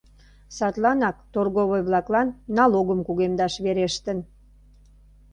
Садланак торговой-влаклан налогым кугемдаш верештын.